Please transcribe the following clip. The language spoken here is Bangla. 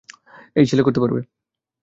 এই ছেলে করতে পারবে?